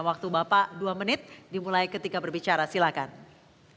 waktu bapak dua menit dimulai ketika berbicara silahkan